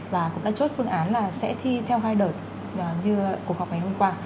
và cũng đã chốt phương án là sẽ thi theo hai đợt như cuộc họp ngày hôm qua